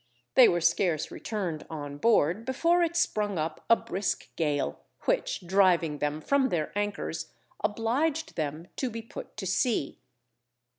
They were scarce returned on board, before it sprung up a brisk gale, which driving them from their anchors, obliged them to be put to sea.